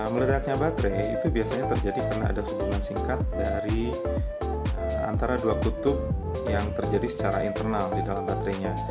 meledaknya baterai itu biasanya terjadi karena ada hubungan singkat dari antara dua kutub yang terjadi secara internal di dalam baterainya